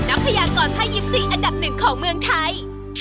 นักพยาคมกรพยิบสี่อันดับหนึ่งของเมืองไทย